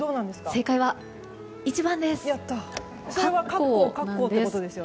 正解は、１番です。